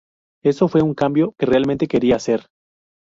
Eso fue una cambio que realmente quería hacer.